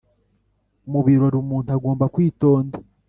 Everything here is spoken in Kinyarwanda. mu birori umuntu agomba kwitonda,